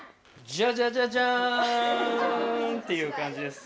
じゃじゃじゃじゃーん！っていう感じです。